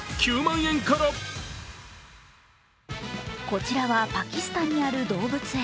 こちらはパキスタンにある動物園。